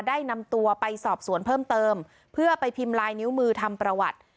ได้นำตัวไปสอบสวนเพิ่มเติมเพื่อไปพิมพ์ลายนิ้วมือทำประวัติ